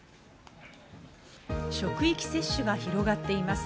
職域接種が広がっています。